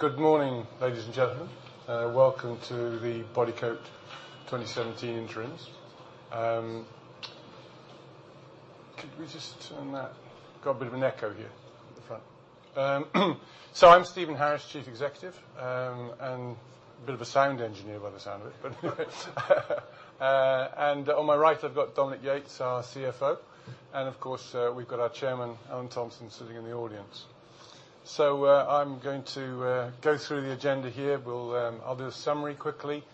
Good morning, ladies and gentlemen. Welcome to the Bodycote 2017 interims. Could we just turn that? Got a bit of an echo here at the front. So I'm Stephen Harris, Chief Executive, and a bit of a sound engineer by the sound of it. And on my right, I've got Dominique Yates, our CFO, and of course, we've got our chairman, Alan Thomson, sitting in the audience. So I'm going to go through the agenda here. I'll do a summary quickly.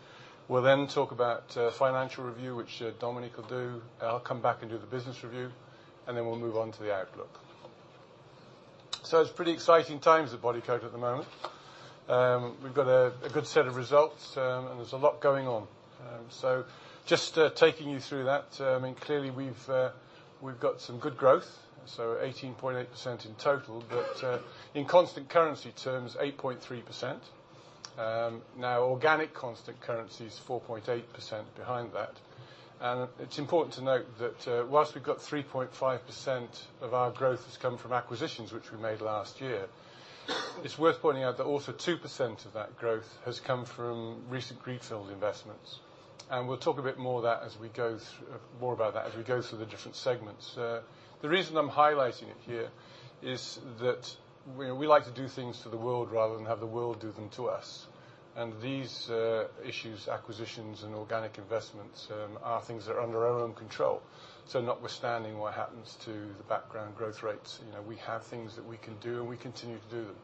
We'll then talk about financial review, which Dominique will do. I'll come back and do the business review, and then we'll move on to the outlook. So it's pretty exciting times at Bodycote at the moment. We've got a good set of results, and there's a lot going on. So just taking you through that, I mean, clearly we've got some good growth, so 18.8% in total, but in constant currency terms, 8.3%. Now, organic constant currency is 4.8% behind that. And it's important to note that while we've got 3.5% of our growth has come from acquisitions, which we made last year, it's worth pointing out that also 2% of that growth has come from recent greenfield investments. And we'll talk a bit more about that as we go through more about that as we go through the different segments. The reason I'm highlighting it here is that we like to do things to the world rather than have the world do them to us. And these issues, acquisitions and organic investments, are things that are under our own control. So notwithstanding what happens to the background growth rates, we have things that we can do, and we continue to do them.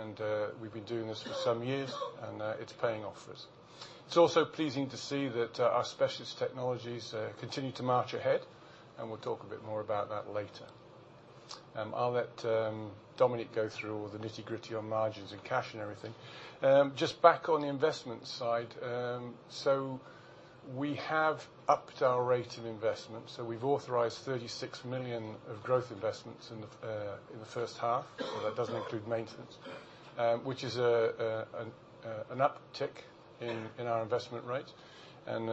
And we've been doing this for some years, and it's paying off for us. It's also pleasing to see that our specialist technologies continue to march ahead, and we'll talk a bit more about that later. I'll let Dominique go through all the nitty-gritty on margins and cash and everything. Just back on the investment side, so we have upped our rate of investment. So we've authorised 36 million of growth investments in the first half, so that doesn't include maintenance, which is an uptick in our investment rate. And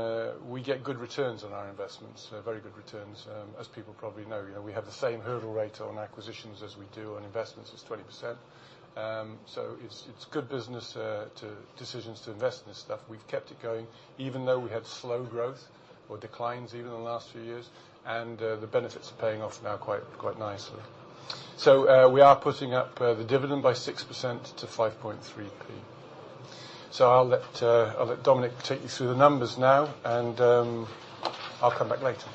we get good returns on our investments, very good returns. As people probably know, we have the same hurdle rate on acquisitions as we do on investments. It's 20%. So it's good business decisions to invest in this stuff. We've kept it going even though we had slow growth or declines even in the last few years, and the benefits are paying off now quite nicely. So we are putting up the dividend by 6% to GBP 5.3p. So I'll let Dominique take you through the numbers now, and I'll come back later.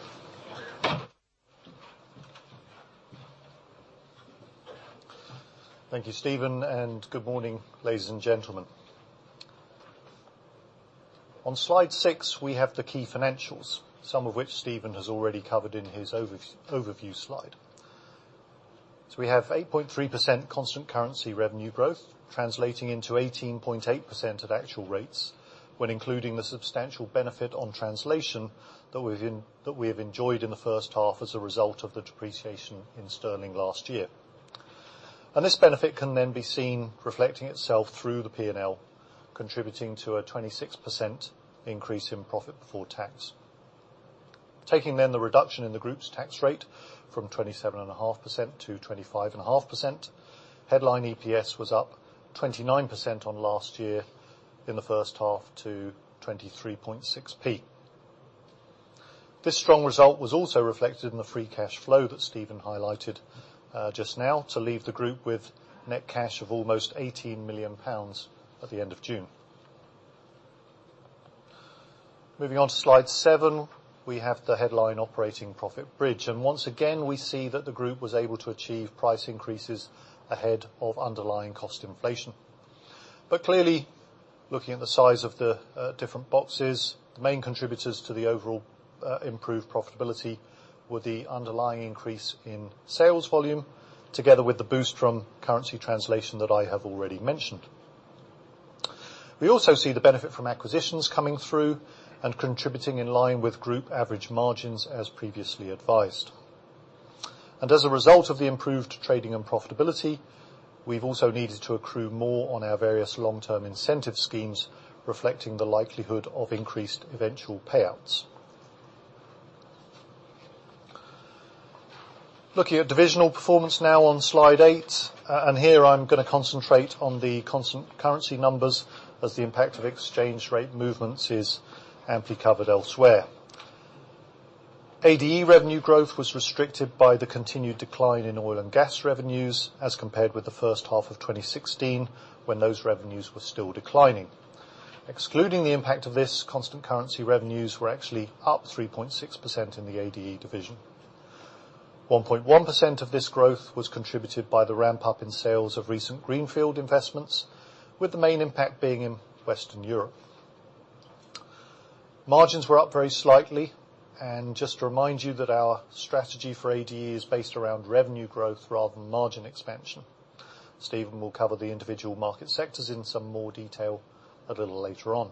Thank you, Stephen, and good morning, ladies and gentlemen. On slide 6, we have the key financials, some of which Stephen has already covered in his overview slide. We have 8.3% constant currency revenue growth translating into 18.8% at actual rates when including the substantial benefit on translation that we have enjoyed in the first half as a result of the depreciation in sterling last year. This benefit can then be seen reflecting itself through the P&L, contributing to a 26% increase in profit before tax. Taking then the reduction in the group's tax rate from 27.5% to 25.5%, headline EPS was up 29% on last year in the first half to 23.6P. This strong result was also reflected in the free cash flow that Stephen highlighted just now to leave the group with net cash of almost 18 million pounds at the end of June. Moving on to slide 7, we have the headline operating profit bridge. Once again, we see that the group was able to achieve price increases ahead of underlying cost inflation. Clearly, looking at the size of the different boxes, the main contributors to the overall improved profitability were the underlying increase in sales volume together with the boost from currency translation that I have already mentioned. We also see the benefit from acquisitions coming through and contributing in line with group average margins as previously advised. As a result of the improved trading and profitability, we've also needed to accrue more on our various long-term incentive schemes reflecting the likelihood of increased eventual payouts. Looking at divisional performance now on slide 8, and here I'm going to concentrate on the constant currency numbers as the impact of exchange rate movements is amply covered elsewhere. ADE revenue growth was restricted by the continued decline in oil and gas revenues as compared with the first half of 2016 when those revenues were still declining. Excluding the impact of this, constant currency revenues were actually up 3.6% in the ADE division. 1.1% of this growth was contributed by the ramp-up in sales of recent greenfield investments, with the main impact being in Western Europe. Margins were up very slightly. And just to remind you that our strategy for ADE is based around revenue growth rather than margin expansion. Stephen will cover the individual market sectors in some more detail a little later on.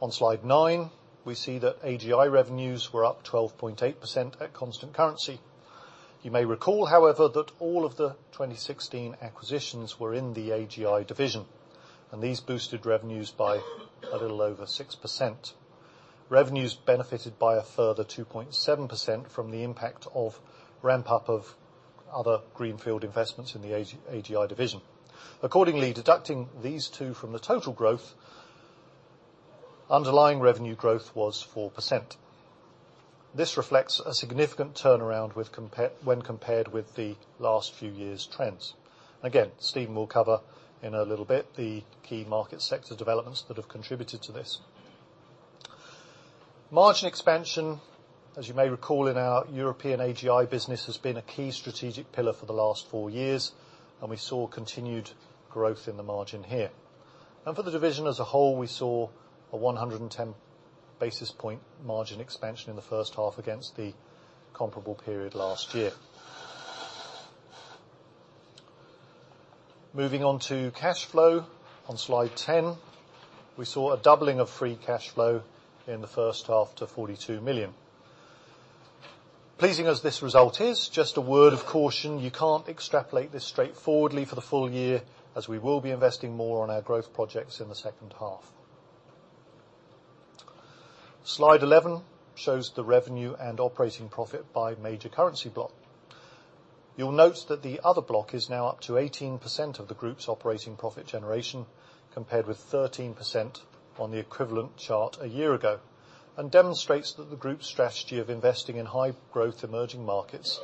On slide 9, we see that AGI revenues were up 12.8% at constant currency. You may recall, however, that all of the 2016 acquisitions were in the AGI division, and these boosted revenues by a little over 6%. Revenues benefited by a further 2.7% from the impact of ramp-up of other greenfield investments in the AGI division. Accordingly, deducting these two from the total growth, underlying revenue growth was 4%. This reflects a significant turnaround when compared with the last few years' trends. Again, Stephen will cover in a little bit the key market sector developments that have contributed to this. Margin expansion, as you may recall in our European AGI business, has been a key strategic pillar for the last four years, and we saw continued growth in the margin here. For the division as a whole, we saw a 110 basis point margin expansion in the first half against the comparable period last year. Moving on to cash flow. On slide 10, we saw a doubling of free cash flow in the first half to 42 million. Pleasing as this result is, just a word of caution, you can't extrapolate this straightforwardly for the full year as we will be investing more on our growth projects in the second half. Slide 11 shows the revenue and operating profit by major currency block. You'll note that the other block is now up to 18% of the group's operating profit generation compared with 13% on the equivalent chart a year ago and demonstrates that the group's strategy of investing in high-growth emerging markets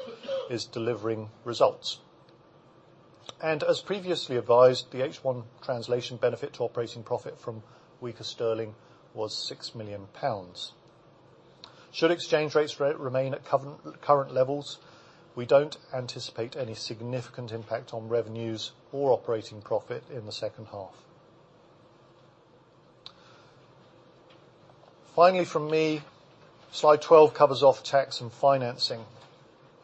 is delivering results. As previously advised, the H1 translation benefit to operating profit from weaker sterling was 6 million pounds. Should exchange rates remain at current levels, we don't anticipate any significant impact on revenues or operating profit in the second half. Finally, from me, slide 12 covers off tax and financing.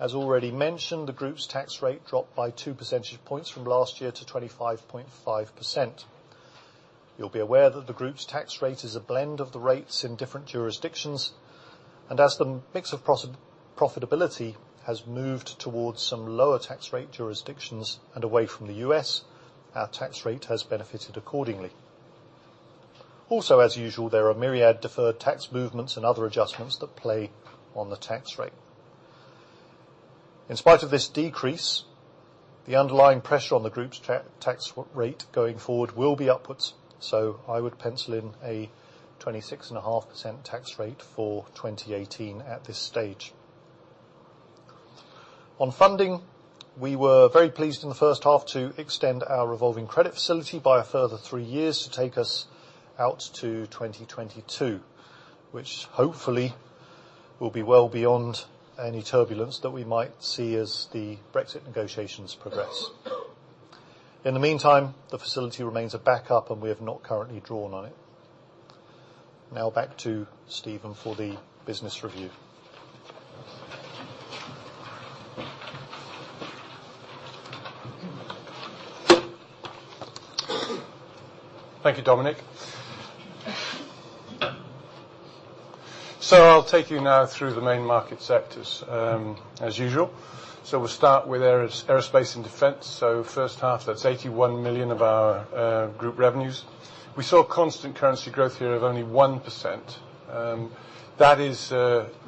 As already mentioned, the group's tax rate dropped by two percentage points from last year to 25.5%. You'll be aware that the group's tax rate is a blend of the rates in different jurisdictions, and as the mix of profitability has moved towards some lower tax rate jurisdictions and away from the U.S., our tax rate has benefited accordingly. Also, as usual, there are myriad deferred tax movements and other adjustments that play on the tax rate. In spite of this decrease, the underlying pressure on the group's tax rate going forward will be upwards, so I would pencil in a 26.5% tax rate for 2018 at this stage. On funding, we were very pleased in the first half to extend our revolving credit facility by a further 3 years to take us out to 2022, which hopefully will be well beyond any turbulence that we might see as the Brexit negotiations progress. In the meantime, the facility remains a backup, and we have not currently drawn on it. Now back to Stephen for the business review. Thank you, Dominique. So I'll take you now through the main market sectors, as usual. So we'll start with aerospace and defense. So first half, that's 81 million of our group revenues. We saw constant currency growth here of only 1%. That is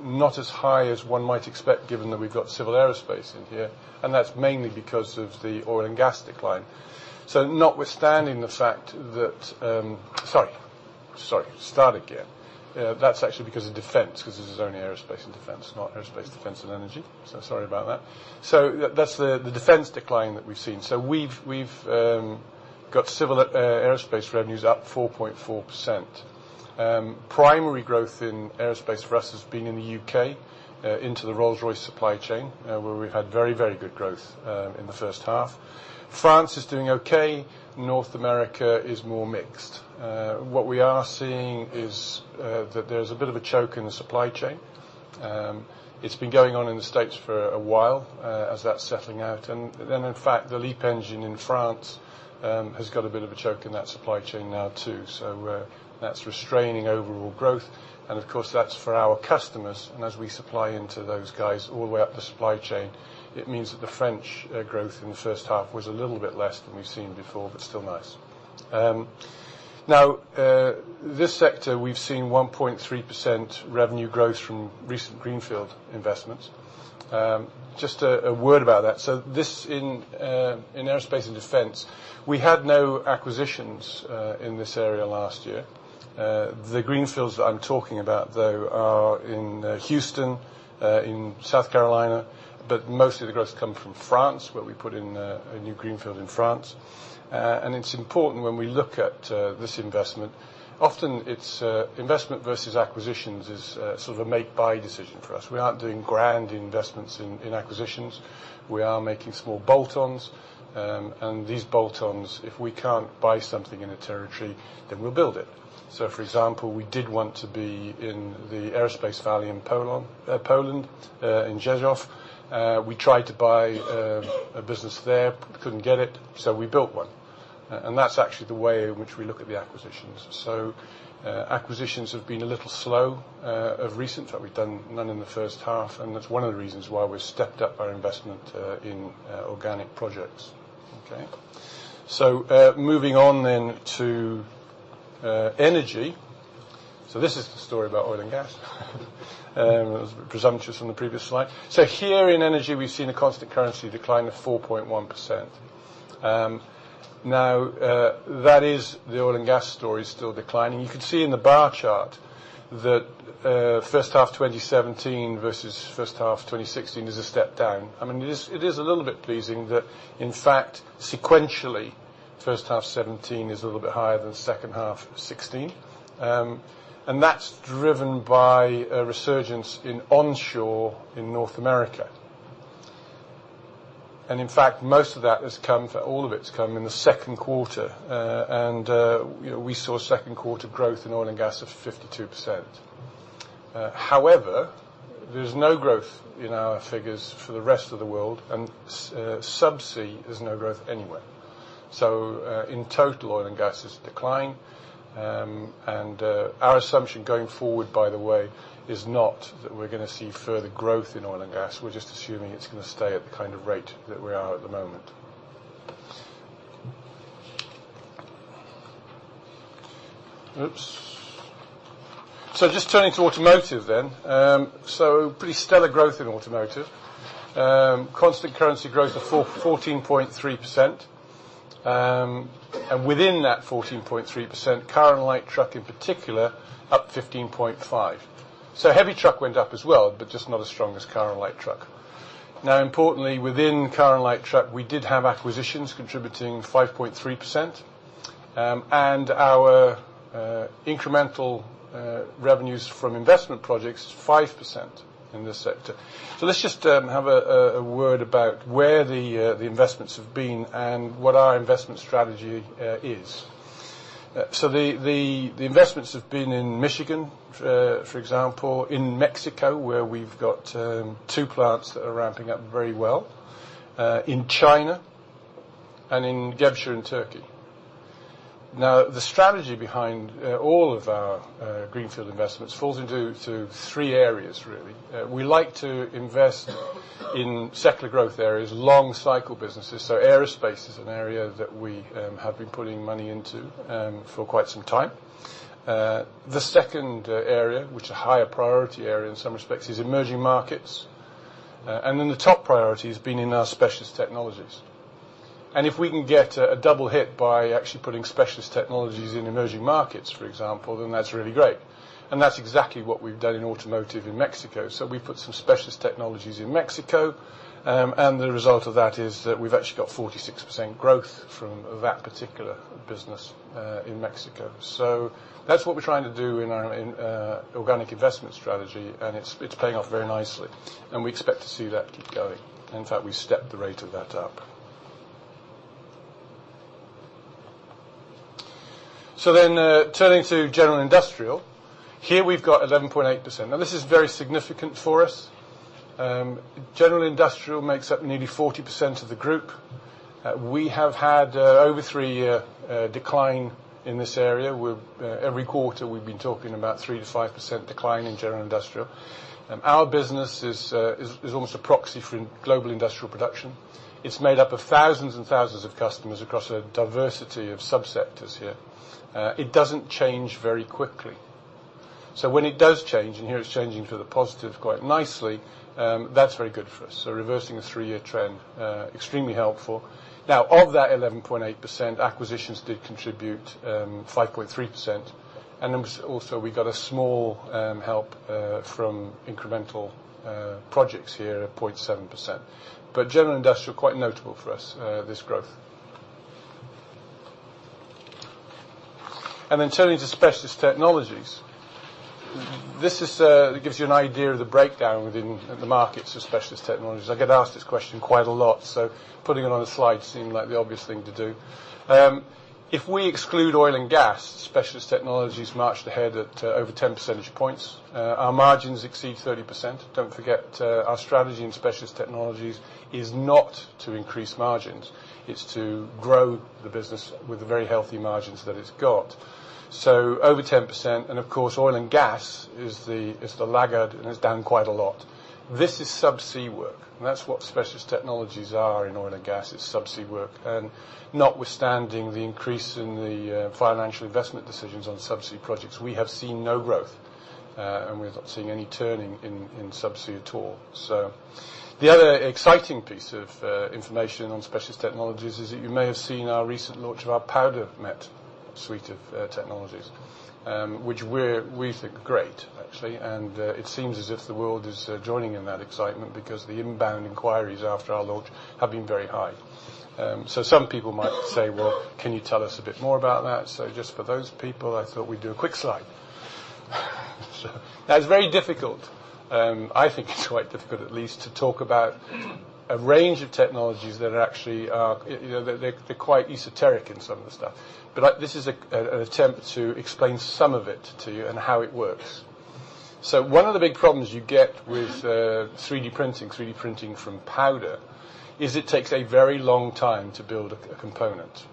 not as high as one might expect given that we've got civil aerospace in here, and that's mainly because of the oil and gas decline. That's actually because of defense because this is only aerospace and defense, not aerospace, defense, and energy. So sorry about that. So that's the defense decline that we've seen. So we've got civil aerospace revenues up 4.4%. Primary growth in aerospace for us has been in the U.K. into the Rolls-Royce supply chain where we've had very, very good growth in the first half. France is doing okay. North America is more mixed. What we are seeing is that there's a bit of a choke in the supply chain. It's been going on in the States for a while as that's settling out. And then, in fact, the LEAP engine in France has got a bit of a choke in that supply chain now too. So that's restraining overall growth. And of course, that's for our customers. And as we supply into those guys all the way up the supply chain, it means that the French growth in the first half was a little bit less than we've seen before but still nice. Now, this sector, we've seen 1.3% revenue growth from recent greenfield investments. Just a word about that. So in aerospace and defense, we had no acquisitions in this area last year. The greenfields that I'm talking about, though, are in Houston, in South Carolina, but mostly the growth's come from France where we put in a new greenfield in France. It's important when we look at this investment; often it's investment versus acquisitions, is sort of a make-buy decision for us. We aren't doing grand investments in acquisitions. We are making small bolt-ons. These bolt-ons, if we can't buy something in a territory, then we'll build it. So for example, we did want to be in the Aviation Valley in Poland, in Rzeszów. We tried to buy a business there, couldn't get it, so we built one. That's actually the way in which we look at the acquisitions. So acquisitions have been a little slow of recent. In fact, we've done none in the first half. And that's one of the reasons why we've stepped up our investment in organic projects. Okay? So moving on then to energy. So this is the story about oil and gas. It was a bit presumptuous on the previous slide. So here in energy, we've seen a constant currency decline of 4.1%. Now, the oil and gas story's still declining. You can see in the bar chart that first half 2017 versus first half 2016 is a step down. I mean, it is a little bit pleasing that, in fact, sequentially, first half 2017 is a little bit higher than second half 2016. And that's driven by a resurgence in onshore in North America. And in fact, most of that has come for all of it's come in the second quarter. And we saw second quarter growth in oil and gas of 52%. However, there's no growth in our figures for the rest of the world, and subsea there's no growth anywhere. So in total, oil and gas is a decline. And our assumption going forward, by the way, is not that we're going to see further growth in oil and gas. We're just assuming it's going to stay at the kind of rate that we are at the moment. Oops. So just turning to automotive then. So pretty stellar growth in automotive. Constant currency growth of 14.3%. And within that 14.3%, car and light truck in particular up 15.5%. So heavy truck went up as well but just not as strong as car and light truck. Now, importantly, within car and light truck, we did have acquisitions contributing 5.3%. And our incremental revenues from investment projects is 5% in this sector. So let's just have a word about where the investments have been and what our investment strategy is. So the investments have been in Michigan, for example, in Mexico where we've got two plants that are ramping up very well, in China, and in Gebze, in Turkey. Now, the strategy behind all of our greenfield investments falls into three areas, really. We like to invest in secular growth areas, long-cycle businesses. So aerospace is an area that we have been putting money into for quite some time. The second area, which is a higher priority area in some respects, is emerging markets. And then the top priority has been in our specialist technologies. And if we can get a double hit by actually putting specialist technologies in emerging markets, for example, then that's really great. And that's exactly what we've done in automotive in Mexico. So we've put some specialist technologies in Mexico. And the result of that is that we've actually got 46% growth from that particular business in Mexico. So that's what we're trying to do in our organic investment strategy, and it's paying off very nicely. And we expect to see that keep going. In fact, we've stepped the rate of that up. So then turning to general industrial, here we've got 11.8%. Now, this is very significant for us. General industrial makes up nearly 40% of the group. We have had over three-year decline in this area. Every quarter, we've been talking about 3%-5% decline in general industrial. Our business is almost a proxy for global industrial production. It's made up of thousands and thousands of customers across a diversity of subsectors here. It doesn't change very quickly. So when it does change—and here it's changing for the positive quite nicely—that's very good for us. So reversing a three-year trend, extremely helpful. Now, of that 11.8%, acquisitions did contribute 5.3%. And then also, we got a small help from incremental projects here of 0.7%. But general industrial, quite notable for us, this growth. And then turning to specialist technologies, this gives you an idea of the breakdown within the markets of specialist technologies. I get asked this question quite a lot, so putting it on the slide seemed like the obvious thing to do. If we exclude oil and gas, specialist technologies marched ahead at over 10 percentage points. Our margins exceed 30%. Don't forget, our strategy in specialist technologies is not to increase margins. It's to grow the business with the very healthy margins that it's got. So over 10%. Of course, oil and gas is the laggard, and it's down quite a lot. This is subsea work. That's what specialist technologies are in oil and gas. It's subsea work. Notwithstanding the increase in the financial investment decisions on subsea projects, we have seen no growth. We're not seeing any turning in subsea at all. The other exciting piece of information on specialist technologies is that you may have seen our recent launch of our PowderMet suite of technologies, which we think are great, actually. It seems as if the world is joining in that excitement because the inbound inquiries after our launch have been very high. Some people might say, "Well, can you tell us a bit more about that?" Just for those people, I thought we'd do a quick slide. That's very difficult. I think it's quite difficult, at least, to talk about a range of technologies that actually are they're quite esoteric in some of the stuff. But this is an attempt to explain some of it to you and how it works. So one of the big problems you get with 3D printing, 3D printing from powder, is it takes a very long time to build a component,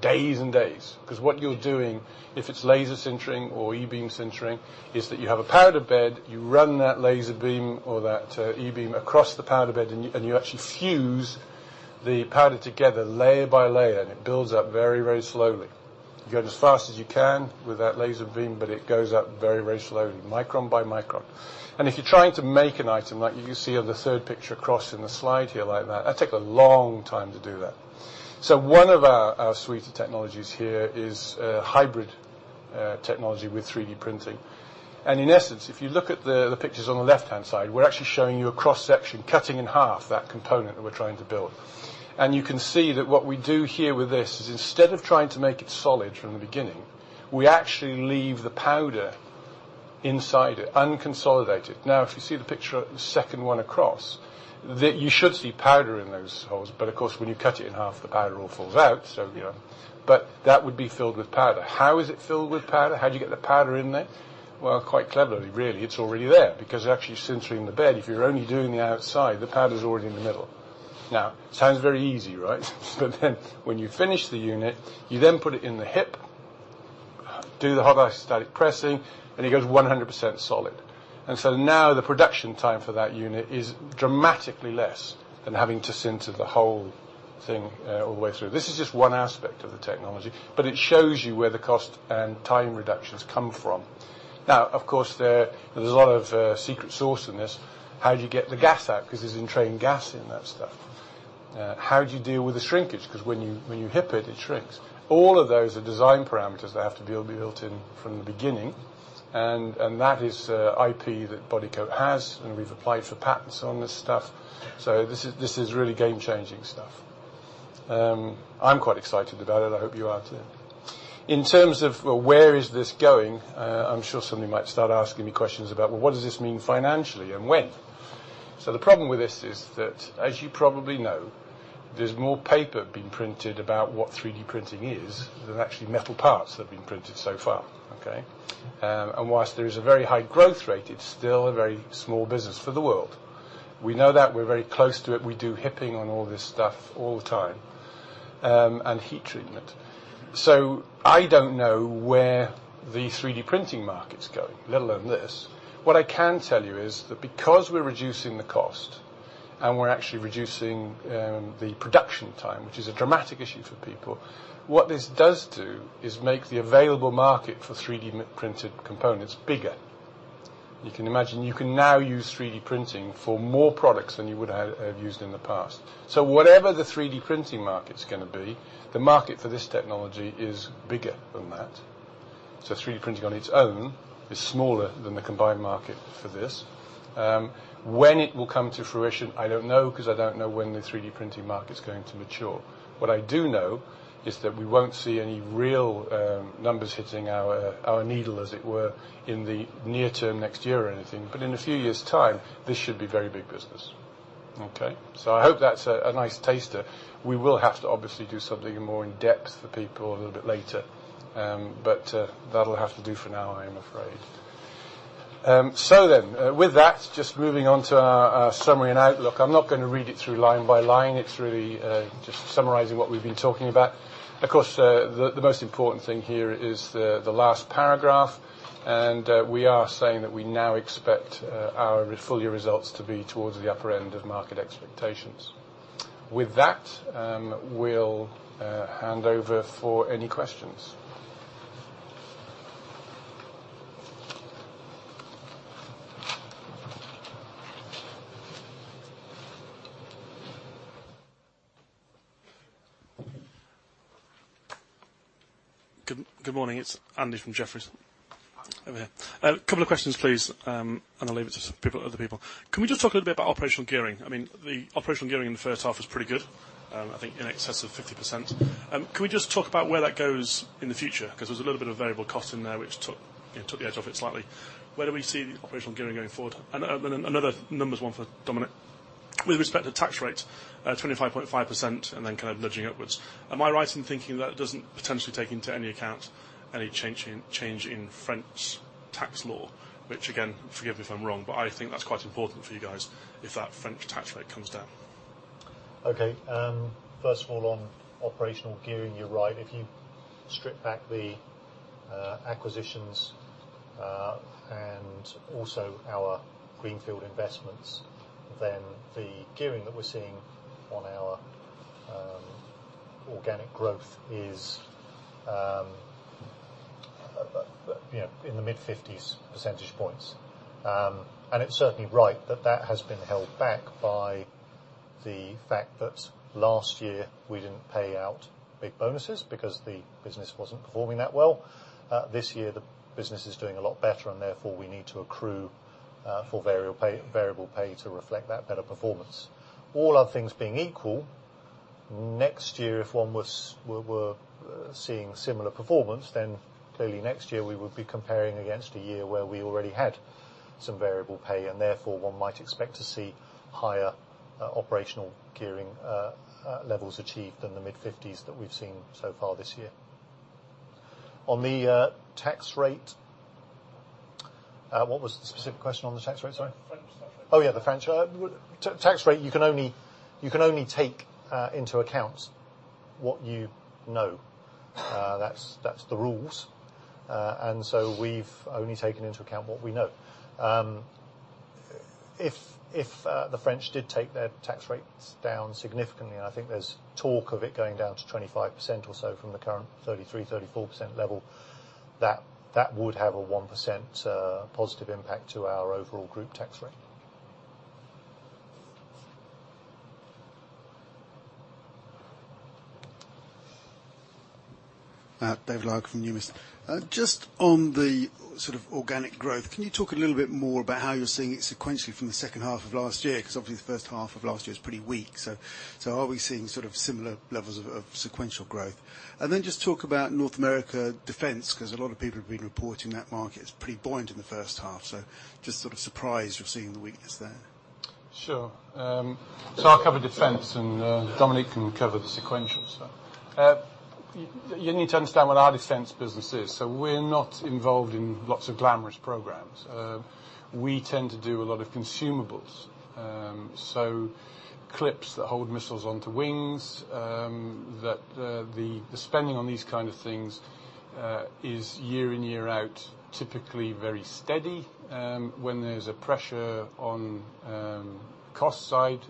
days and days. Because what you're doing, if it's laser sintering or e-beam sintering, is that you have a powder bed, you run that laser beam or that e-beam across the powder bed, and you actually fuse the powder together layer by layer, and it builds up very, very slowly. You go as fast as you can with that laser beam, but it goes up very, very slowly, micron by micron. If you're trying to make an item like you can see on the third picture across in the slide here like that, that takes a long time to do that. So one of our suite of technologies here is hybrid technology with 3D Printing. In essence, if you look at the pictures on the left-hand side, we're actually showing you a cross-section, cutting in half that component that we're trying to build. You can see that what we do here with this is instead of trying to make it solid from the beginning, we actually leave the powder inside it, unconsolidated. Now, if you see the picture of the second one across, you should see powder in those holes. But of course, when you cut it in half, the powder all falls out. But that would be filled with powder. How is it filled with powder? How do you get the powder in there? Well, quite cleverly, really, it's already there because it's actually sintering the bed. If you're only doing the outside, the powder's already in the middle. Now, it sounds very easy, right? But then when you finish the unit, you then put it in the HIP, do the hot isostatic pressing, and it goes 100% solid. And so now the production time for that unit is dramatically less than having to center the whole thing all the way through. This is just one aspect of the technology, but it shows you where the cost and time reductions come from. Now, of course, there's a lot of secret sauce in this. How do you get the gas out because there's entrained gas in that stuff? How do you deal with the shrinkage because when you HIP it, it shrinks? All of those are design parameters that have to be built in from the beginning. And that is IP that Bodycote has, and we've applied for patents on this stuff. So this is really game-changing stuff. I'm quite excited about it. I hope you are too. In terms of where is this going, I'm sure somebody might start asking me questions about, "Well, what does this mean financially and when?" So the problem with this is that, as you probably know, there's more paper being printed about what 3D printing is than actually metal parts that have been printed so far. Okay? And while there is a very high growth rate, it's still a very small business for the world. We know that. We're very close to it. We do HIPing on all this stuff all the time. And heat treatment. So I don't know where the 3D printing market's going, let alone this. What I can tell you is that because we're reducing the cost and we're actually reducing the production time, which is a dramatic issue for people, what this does do is make the available market for 3D-printed components bigger. You can imagine, you can now use 3D printing for more products than you would have used in the past. So whatever the 3D printing market's going to be, the market for this technology is bigger than that. So 3D printing on its own is smaller than the combined market for this. When it will come to fruition, I don't know because I don't know when the 3D printing market's going to mature. What I do know is that we won't see any real numbers hitting our needle, as it were, in the near-term next year or anything. But in a few years' time, this should be very big business. Okay? So I hope that's a nice taster. We will have to obviously do something more in-depth for people a little bit later. But that'll have to do for now, I am afraid. So then, with that, just moving on to our summary and outlook. I'm not going to read it through line by line. It's really just summarizing what we've been talking about. Of course, the most important thing here is the last paragraph. And we are saying that we now expect our full year results to be towards the upper end of market expectations. With that, we'll hand over for any questions. Good morning. It's Andy from Jefferies over here. Couple of questions, please, and I'll leave it to some other people. Can we just talk a little bit about operational gearing? I mean, the operational gearing in the first half is pretty good, I think, in excess of 50%. Can we just talk about where that goes in the future? Because there was a little bit of variable cost in there which took the edge off it slightly. Where do we see the operational gearing going forward? And then another numbers one for Dominique. With respect to tax rates, 25.5% and then kind of nudging upwards. Am I right in thinking that doesn't potentially take into any account any change in French tax law? Which, again, forgive me if I'm wrong, but I think that's quite important for you guys if that French tax rate comes down. Okay. First of all, on operational gearing, you're right. If you strip back the acquisitions and also our greenfield investments, then the gearing that we're seeing on our organic growth is in the mid-50s percentage points. It's certainly right that that has been held back by the fact that last year, we didn't pay out big bonuses because the business wasn't performing that well. This year, the business is doing a lot better, and therefore, we need to accrue for variable pay to reflect that better performance. All other things being equal, next year, if one were seeing similar performance, then clearly next year, we would be comparing against a year where we already had some variable pay. Therefore, one might expect to see higher operational gearing levels achieved than the mid-50s that we've seen so far this year. On the tax rate, what was the specific question on the tax rate? Sorry. French tax rate. Oh, yeah, the French tax rate, you can only take into account what you know. That's the rules. And so we've only taken into account what we know. If the French did take their tax rates down significantly, and I think there's talk of it going down to 25% or so from the current 33%-34% level, that would have a 1% positive impact to our overall group tax rate. David Larkam from Numis. Just on the sort of organic growth, can you talk a little bit more about how you're seeing it sequentially from the second half of last year? Because obviously, the first half of last year was pretty weak. So are we seeing sort of similar levels of sequential growth? And then just talk about North America defense because a lot of people have been reporting that market's pretty buoyant in the first half. So just sort of surprised you're seeing the weakness there. Sure. So I'll cover defense, and Dominique can cover the sequential. You need to understand what our defense business is. So we're not involved in lots of glamorous programs. We tend to do a lot of consumables. So clips that hold missiles onto wings, the spending on these kind of things is year in, year out, typically very steady. When there's a pressure on cost side,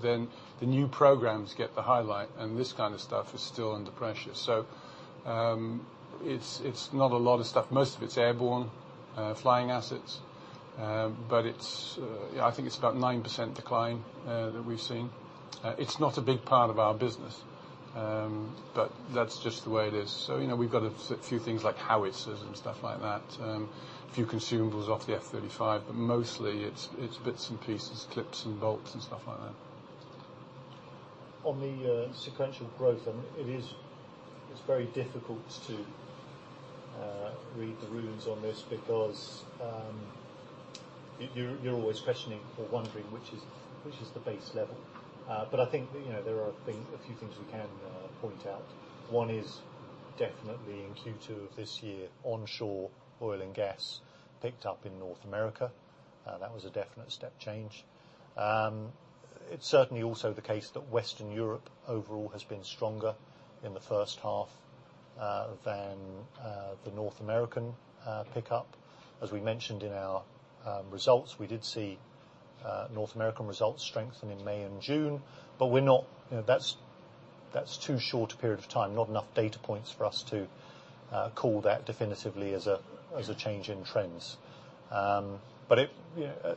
then the new programs get the highlight, and this kind of stuff is still under pressure. So it's not a lot of stuff. Most of it's airborne flying assets. But I think it's about 9% decline that we've seen. It's not a big part of our business, but that's just the way it is. So we've got a few things like howitzers and stuff like that, a few consumables off the F-35. But mostly, it's bits and pieces, clips and bolts and stuff like that. On the sequential growth, it's very difficult to read the runes on this because you're always questioning or wondering which is the base level. But I think there are a few things we can point out. One is definitely in Q2 of this year, onshore oil and gas picked up in North America. That was a definite step change. It's certainly also the case that Western Europe overall has been stronger in the first half than the North American pickup. As we mentioned in our results, we did see North American results strengthen in May and June. But that's too short a period of time, not enough data points for us to call that definitively as a change in trends. But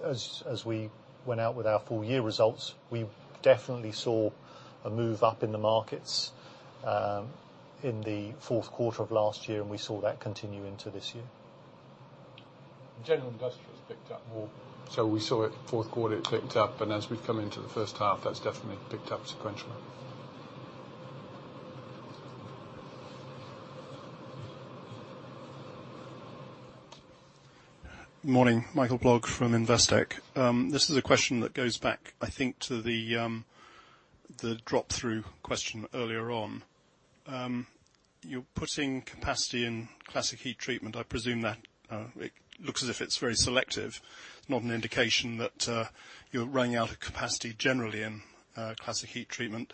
as we went out with our full year results, we definitely saw a move up in the markets in the fourth quarter of last year, and we saw that continue into this year. General Industries picked up more. So we saw it fourth quarter, it picked up. And as we've come into the first half, that's definitely picked up sequentially. Morning. Michael Blogg from Investec. This is a question that goes back, I think, to the drop-through question earlier on. You're putting capacity in classic heat treatment. I presume that it looks as if it's very selective. It's not an indication that you're running out of capacity generally in classic heat treatment.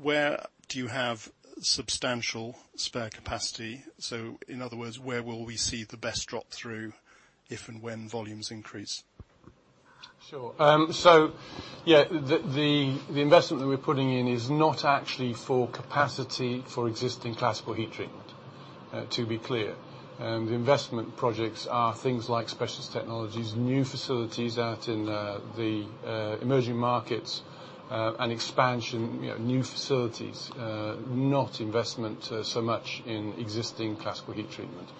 Where do you have substantial spare capacity? So in other words, where will we see the best drop-through if and when volumes increase? Sure. So yeah, the investment that we're putting in is not actually for capacity for existing classical heat treatment, to be clear. The investment projects are things like specialist technologies, new facilities out in the emerging markets, and expansion, new facilities, not investment so much in existing classical heat treatment,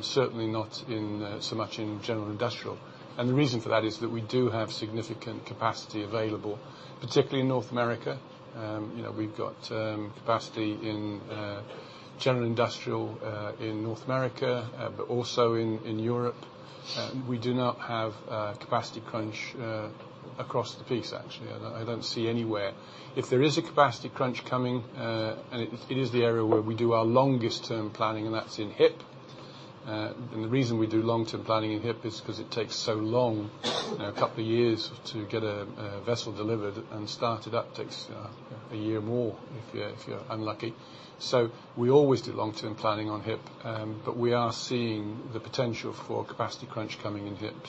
certainly not so much in General Industrial. And the reason for that is that we do have significant capacity available, particularly in North America. We've got capacity in General Industrial in North America, but also in Europe. We do not have capacity crunch across the piece, actually. I don't see anywhere. If there is a capacity crunch coming, and it is the area where we do our longest-term planning, and that's in HIP. The reason we do long-term planning in HIP is because it takes so long, a couple of years to get a vessel delivered and start it up takes a year more if you're unlucky. We always do long-term planning on HIP. We are seeing the potential for capacity crunch coming in HIP.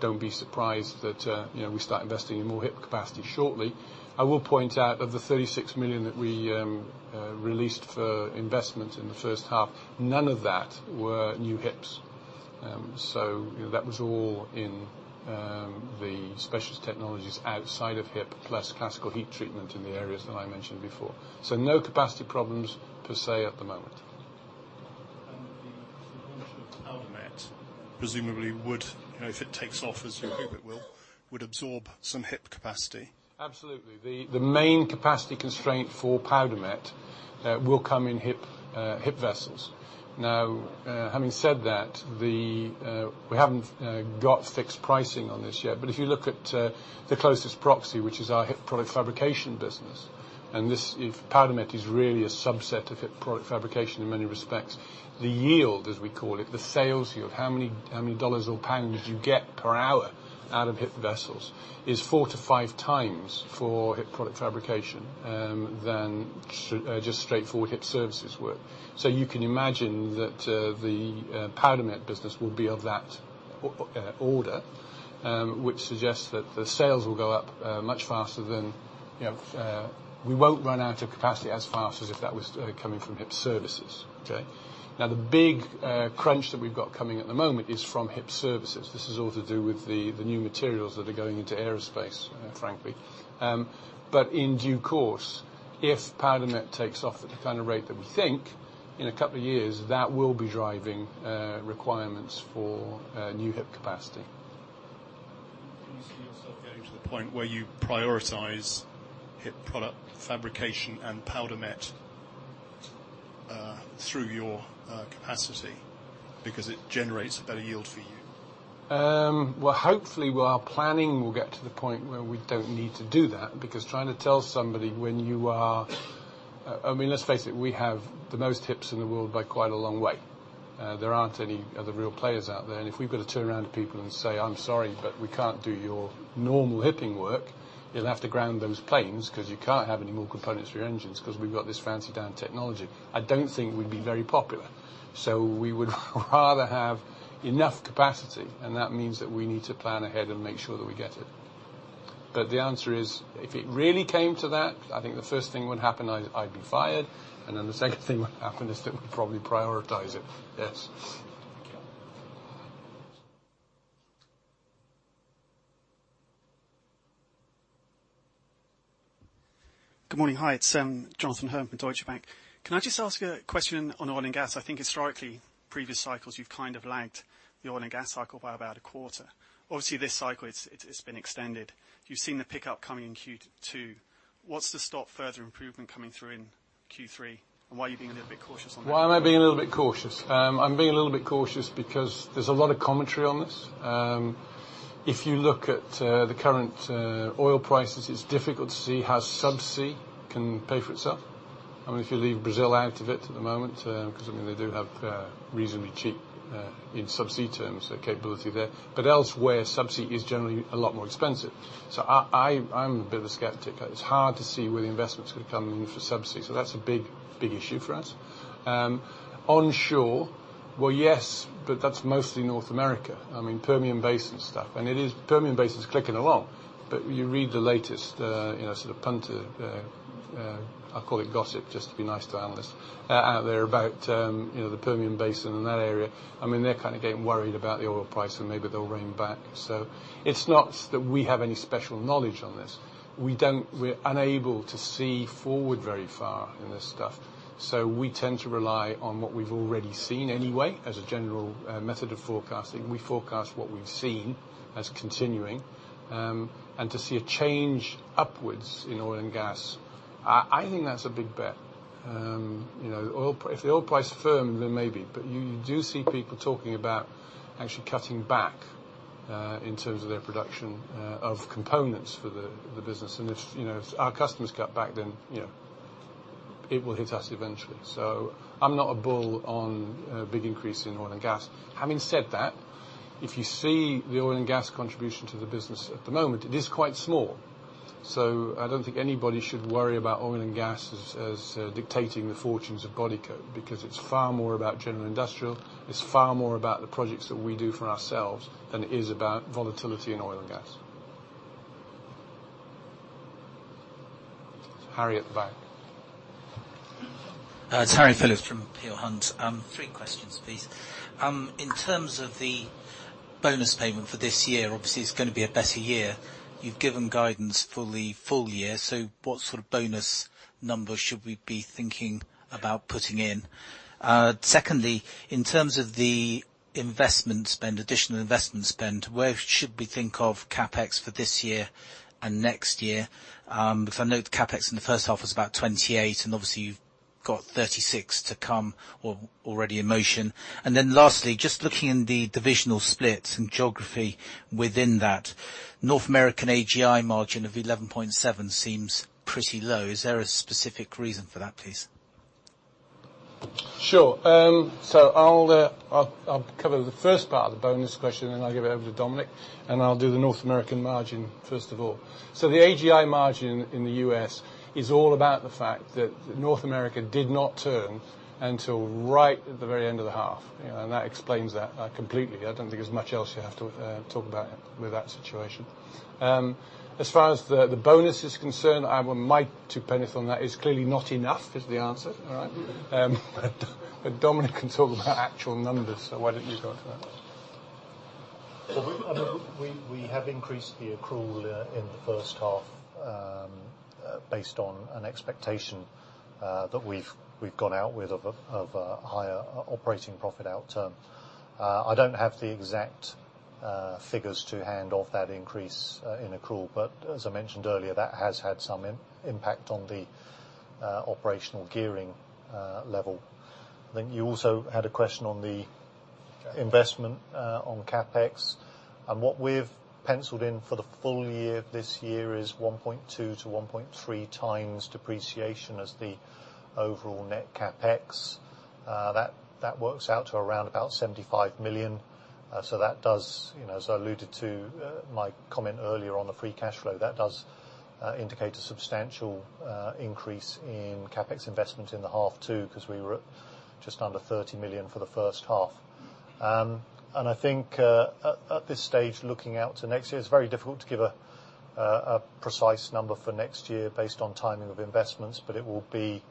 Don't be surprised that we start investing in more HIP capacity shortly. I will point out, of the 36 million that we released for investment in the first half, none of that were new HIPs. That was all in the specialist technologies outside of HIP plus classical heat treatment in the areas that I mentioned before. No capacity problems per se at the moment. The launch of PowderMet, presumably, if it takes off as you hope it will, would absorb some HIP capacity? Absolutely. The main capacity constraint for PowderMet will come in HIP vessels. Now, having said that, we haven't got fixed pricing on this yet. But if you look at the closest proxy, which is our HIP product fabrication business, and PowderMet is really a subset of HIP product fabrication in many respects, the yield, as we call it, the sales yield, how many dollars or pounds did you get per hour out of HIP vessels, is 4-5 times for HIP product fabrication than just straightforward HIP services were. So you can imagine that the PowderMet business will be of that order, which suggests that the sales will go up much faster than we won't run out of capacity as fast as if that was coming from HIP services. Okay? Now, the big crunch that we've got coming at the moment is from HIP services. This is all to do with the new materials that are going into aerospace, frankly. But in due course, if PowderMet takes off at the kind of rate that we think, in a couple of years, that will be driving requirements for new HIP capacity. Can you see yourself getting to the point where you prioritise HIP product fabrication and PowderMet through your capacity because it generates a better yield for you? Well, hopefully, while planning will get to the point where we don't need to do that because trying to tell somebody when you are—I mean, let's face it. We have the most HIPs in the world by quite a long way. There aren't any other real players out there. And if we've got to turn around to people and say, "I'm sorry, but we can't do your normal HIPping work," you'll have to ground those planes because you can't have any more components for your engines because we've got this fancy-down technology. I don't think we'd be very popular. So we would rather have enough capacity, and that means that we need to plan ahead and make sure that we get it. But the answer is, if it really came to that, I think the first thing would happen, I'd be fired. Then the second thing would happen is that we'd probably prioritize it. Yes. Good morning. Hi. It's Jonathan Hurn from Deutsche Bank. Can I just ask a question on oil and gas? I think historically, previous cycles, you've kind of lagged the oil and gas cycle by about a quarter. Obviously, this cycle, it's been extended. You've seen the pickup coming in Q2. What's the stop further improvement coming through in Q3, and why are you being a little bit cautious on that? Why am I being a little bit cautious? I'm being a little bit cautious because there's a lot of commentary on this. If you look at the current oil prices, it's difficult to see how subsea can pay for itself. I mean, if you leave Brazil out of it at the moment because, I mean, they do have reasonably cheap, in subsea terms, capability there. But elsewhere, subsea is generally a lot more expensive. So I'm a bit of a skeptic. It's hard to see where the investments could come in for subsea. So that's a big, big issue for us. Onshore, well, yes, but that's mostly North America. I mean, Permian Basin stuff. And Permian Basin's clicking along. But you read the latest sort of punter, I'll call it, gossip just to be nice to analysts out there about the Permian Basin and that area. I mean, they're kind of getting worried about the oil price, and maybe they'll rein back. So it's not that we have any special knowledge on this. We're unable to see forward very far in this stuff. So we tend to rely on what we've already seen anyway as a general method of forecasting. We forecast what we've seen as continuing. And to see a change upwards in oil and gas, I think that's a big bet. If the oil price's firm, then maybe. But you do see people talking about actually cutting back in terms of their production of components for the business. And if our customers cut back, then it will hit us eventually. So I'm not a bull on a big increase in oil and gas. Having said that, if you see the oil and gas contribution to the business at the moment, it is quite small. I don't think anybody should worry about oil and gas as dictating the fortunes of Bodycote because it's far more about General Industrial. It's far more about the projects that we do for ourselves than it is about volatility in oil and gas. Harry at the back. It's Harry Philips from Peel Hunt. Three questions, please. In terms of the bonus payment for this year, obviously, it's going to be a better year. You've given guidance for the full year. So what sort of bonus numbers should we be thinking about putting in? Secondly, in terms of the additional investment spend, where should we think of CapEx for this year and next year? Because I note the CapEx in the first half was about 28, and obviously, you've got 36 to come or already in motion. And then lastly, just looking in the divisional splits and geography within that, North American AGI margin of 11.7% seems pretty low. Is there a specific reason for that, please? Sure. So I'll cover the first part of the bonus question, and then I'll give it over to Dominique. I'll do the North American margin, first of all. So the AGI margin in the U.S. is all about the fact that North America did not turn until right at the very end of the half. And that explains that completely. I don't think there's much else you have to talk about with that situation. As far as the bonus is concerned, I might two-penn'orth on that. It's clearly not enough is the answer, all right? But Dominique can talk about actual numbers, so why don't you go to that? I mean, we have increased the accrual in the first half based on an expectation that we've gone out with of a higher operating profit out term. I don't have the exact figures to hand off that increase in accrual, but as I mentioned earlier, that has had some impact on the operational gearing level. I think you also had a question on the investment on CapEx. What we've pencilled in for the full year this year is 1.2-1.3 times depreciation as the overall net CapEx. That works out to around about 75 million. So as I alluded to my comment earlier on the free cash flow, that does indicate a substantial increase in CapEx investment in the half too because we were just under 30 million for the first half. I think at this stage, looking out to next year, it's very difficult to give a precise number for next year based on timing of investments, but it will be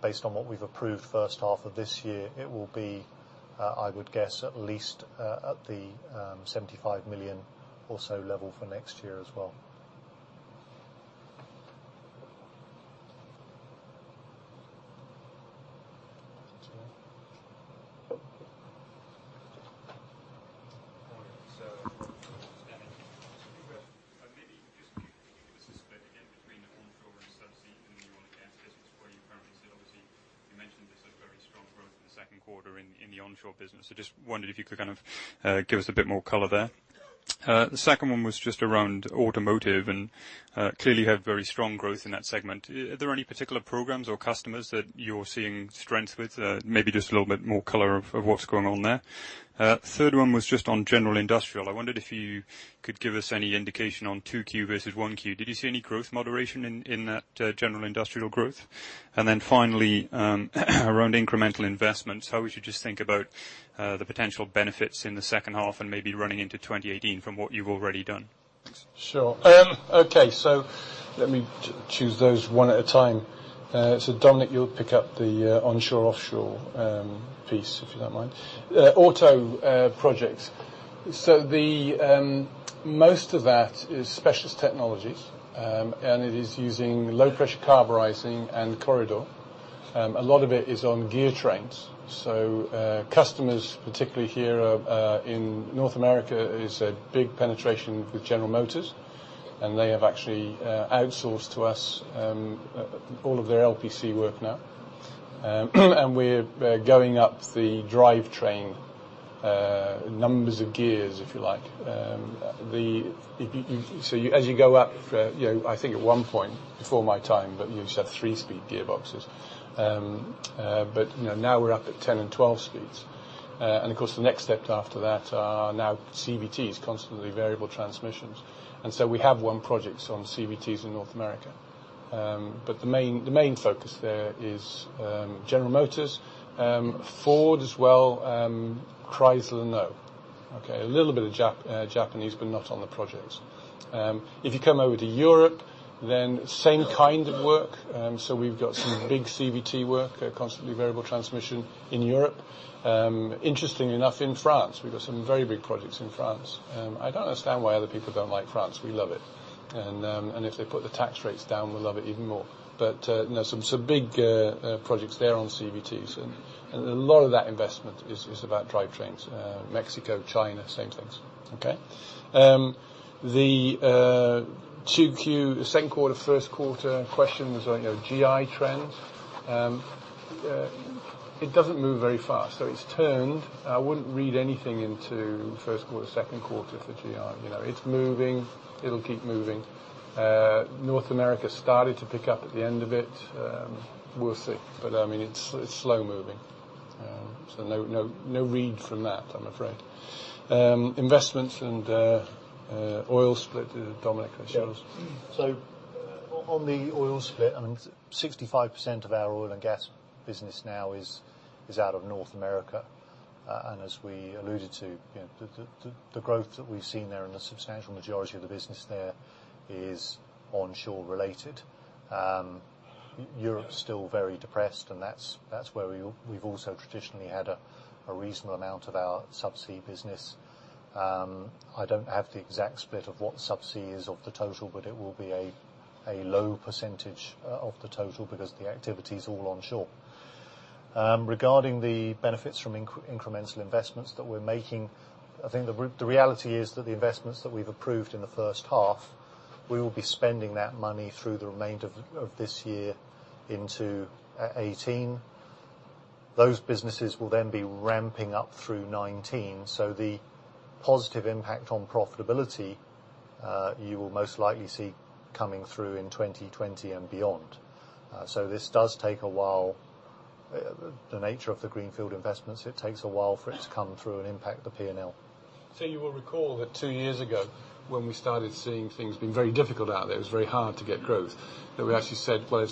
based on what we've approved first half of this year, it will be, I would guess, at least at the 75 million or so level for next year as well. The second one was just around automotive, and clearly, you have very strong growth in that segment. Are there any particular programs or customers that you're seeing strength with? Maybe just a little bit more color of what's going on there. Third one was just on General Industrial. I wondered if you could give us any indication on 2Q versus 1Q. Did you see any growth moderation in that General Industrial growth? And then finally, around incremental investments, how we should just think about the potential benefits in the second half and maybe running into 2018 from what you've already done? Sure. Okay. So let me choose those one at a time. So Dominique, you'll pick up the onshore/offshore piece if you don't mind. Auto projects. So most of that is specialist technologies, and it is using low-pressure carburizing and Corr-I-Dur. A lot of it is on gear trains. So customers, particularly here in North America, is a big penetration with General Motors. And they have actually outsourced to us all of their LPC work now. And we're going up the drivetrain numbers of gears, if you like. So as you go up, I think at one point before my time, but you said three-speed gearboxes. But now we're up at 10 and 12 speeds. And of course, the next step after that are now CVTs, continuously variable transmissions. And so we have one project on CVTs in North America. But the main focus there is General Motors, Ford as well, Chrysler, no. Okay? A little bit of Japanese, but not on the projects. If you come over to Europe, then same kind of work. So we've got some big CVT work, continuously variable transmission, in Europe. Interestingly enough, in France, we've got some very big projects in France. I don't understand why other people don't like France. We love it. And if they put the tax rates down, we'll love it even more. But some big projects there on CVTs. And a lot of that investment is about drivetrains. Mexico, China, same things. Okay? The second quarter, first quarter question was GI trends. It doesn't move very fast. So it's turned. I wouldn't read anything into first quarter, second quarter for GI. It's moving. It'll keep moving. North America started to pick up at the end of it. We'll see. But I mean, it's slow-moving. So no read from that, I'm afraid. Investments and oil split, Dominique, I assume. Yeah. So on the oil split, I mean, 65% of our oil and gas business now is out of North America. And as we alluded to, the growth that we've seen there and the substantial majority of the business there is onshore-related. Europe's still very depressed, and that's where we've also traditionally had a reasonable amount of our subsea business. I don't have the exact split of what subsea is of the total, but it will be a low percentage of the total because the activity's all onshore. Regarding the benefits from incremental investments that we're making, I think the reality is that the investments that we've approved in the first half, we will be spending that money through the remainder of this year into 2018. Those businesses will then be ramping up through 2019. So the positive impact on profitability, you will most likely see coming through in 2020 and beyond. So this does take a while. The nature of the greenfield investments, it takes a while for it to come through and impact the P&L. So you will recall that two years ago, when we started seeing things being very difficult out there, it was very hard to get growth, that we actually said, "Well,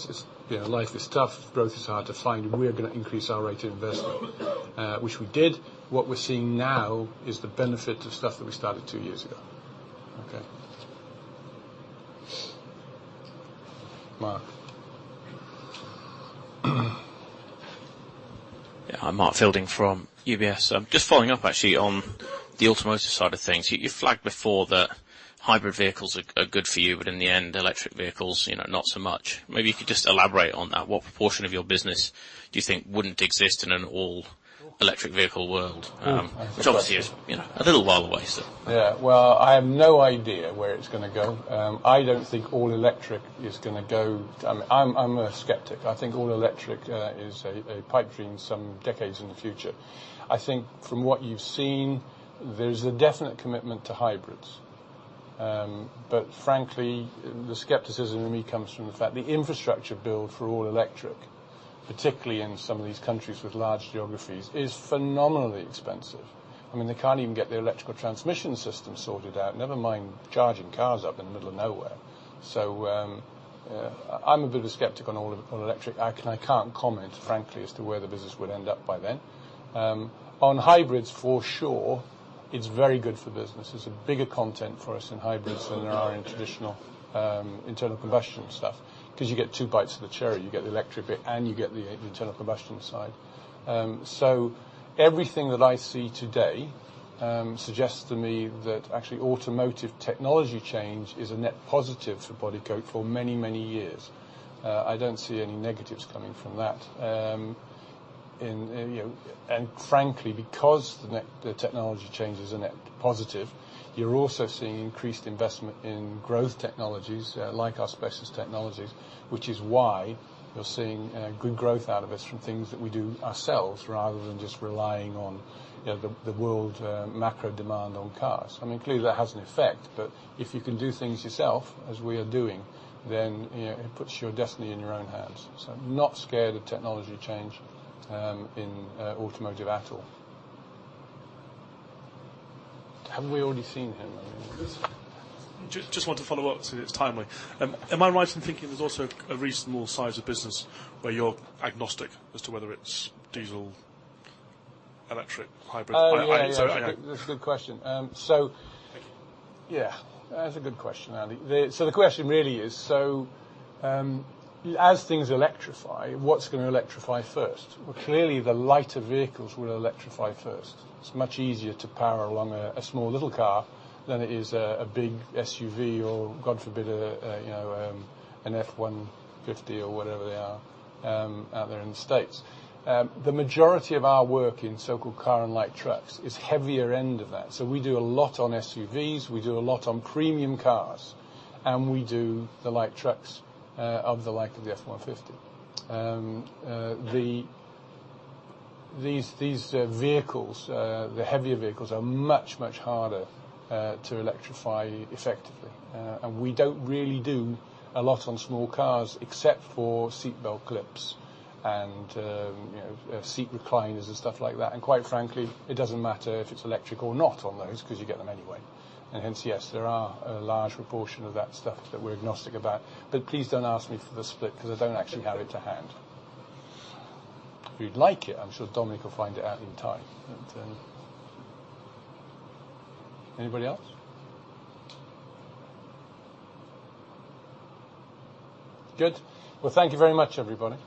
life is tough. Growth is hard to find. We're going to increase our rate of investment," which we did. What we're seeing now is the benefit of stuff that we started two years ago. Okay. Mark. Yeah. I'm Mark Fielding from UBS. Just following up, actually, on the automotive side of things. You flagged before that hybrid vehicles are good for you, but in the end, electric vehicles, not so much. Maybe you could just elaborate on that. What proportion of your business do you think wouldn't exist in an all-electric vehicle world, which obviously is a little while away still? Yeah. Well, I have no idea where it's going to go. I don't think all electric is going to go. I mean, I'm a skeptic. I think all electric is a pipe dream some decades in the future. I think from what you've seen, there's a definite commitment to hybrids. But frankly, the skepticism in me comes from the fact the infrastructure build for all electric, particularly in some of these countries with large geographies, is phenomenally expensive. I mean, they can't even get their electrical transmission system sorted out, never mind charging cars up in the middle of nowhere. So I'm a bit of a skeptic on all electric. I can't comment, frankly, as to where the business would end up by then. On hybrids, for sure, it's very good for business. There's a bigger content for us in hybrids than there are in traditional internal combustion stuff because you get two bites of the cherry. You get the electric bit, and you get the internal combustion side. So everything that I see today suggests to me that actually, automotive technology change is a net positive for Bodycote for many, many years. I don't see any negatives coming from that. And frankly, because the technology change is a net positive, you're also seeing increased investment in growth technologies like our specialist technologies, which is why you're seeing good growth out of us from things that we do ourselves rather than just relying on the world macro demand on cars. I mean, clearly, that has an effect. But if you can do things yourself as we are doing, then it puts your destiny in your own hands. Not scared of technology change in automotive at all. Haven't we already seen him? I mean. Just want to follow up because it's timely. Am I right in thinking there's also a reasonable size of business where you're agnostic as to whether it's diesel, electric, hybrid? Yeah. That's a good question. Thank you. Yeah. That's a good question, Andy. So the question really is, so as things electrify, what's going to electrify first? Well, clearly, the lighter vehicles will electrify first. It's much easier to power along a small little car than it is a big SUV or, God forbid, an F-150 or whatever they are out there in the States. The majority of our work in so-called car and light trucks is heavier end of that. So we do a lot on SUVs. We do a lot on premium cars. And we do the light trucks of the like of the F-150. These vehicles, the heavier vehicles, are much, much harder to electrify effectively. And we don't really do a lot on small cars except for seatbelt clips and seat recliners and stuff like that. Quite frankly, it doesn't matter if it's electric or not on those because you get them anyway. Hence, yes, there are a large proportion of that stuff that we're agnostic about. But please don't ask me for the split because I don't actually have it to hand. If you'd like it, I'm sure Dominique will find it out in time. Anybody else? Good. Well, thank you very much, everybody.